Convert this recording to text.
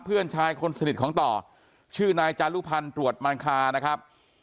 เพื่อนชายคนสนิทของต่อชื่อนายจารุพันธ์ตรวจมันคานะครับ